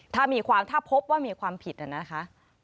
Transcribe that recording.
ถ้าพบว่ามีความผิดอะนะคะ